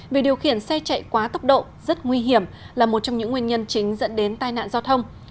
vì điều khiển xe chạy quá tốc độ rất nguy hiểm là một trong những nguyên nhân chính dẫn đến tai nạn giao thông